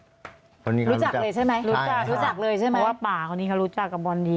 รู้จักเลยใช่ไหมรู้จักรู้จักเลยใช่ไหมว่าป่าคนนี้เขารู้จักกับบอลดี